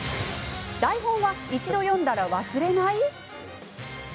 台本は一度読んだら忘れない。